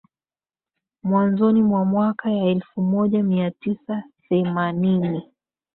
mwanzoni mwa miaka ya elfu moja mia tisa themanini